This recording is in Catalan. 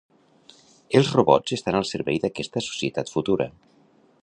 Els robots estan al servei d'aquesta societat futura.